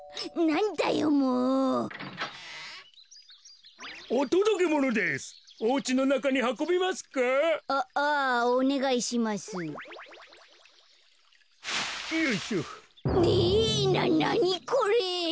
なにこれ？